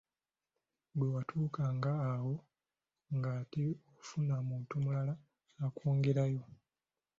Bwe watuukanga awo nga ate ofuna muntu mulala akwongerayo.